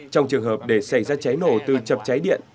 trong trường hợp để xảy ra cháy nổ từ chập cháy điện